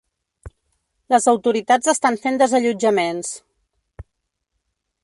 Les autoritats estan fent desallotjaments.